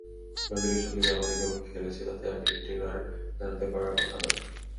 ব্রাজিলের সঙ্গে জার্মানি যেমন খেলেছে, তাতে আর্জেন্টিনার দাঁড়াতে পারার কথা নয়।